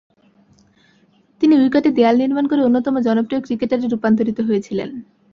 তিনি উইকেটে দেয়াল নির্মাণ করে অন্যতম জনপ্রিয় ক্রিকেটারে রূপান্তরিত হয়েছিলেন।